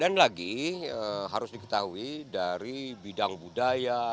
dan lagi harus diketahui dari bidang budaya